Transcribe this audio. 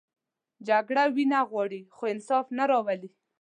جګړه وینه غواړي، خو انصاف نه راولي